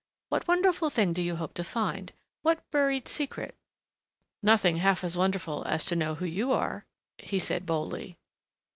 What wonderful thing do you hope to find what buried secret ?" "Nothing half as wonderful as to know who you are," he said boldly.